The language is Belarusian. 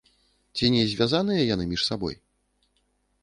Ці не звязаныя яны між сабой?